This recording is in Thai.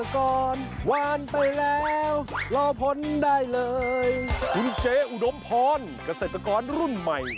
คุณเจ๊อุดมพรณกระเศษตากรรุ่นใหม่